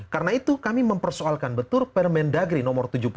karena itu kami mempersoalkan betul permendagri no tujuh puluh satu